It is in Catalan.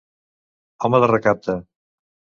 Home de recapte.